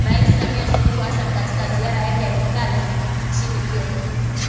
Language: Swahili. Rais Samia Suluhu Hassan katika ziara yake ya kikazi nchini Kenya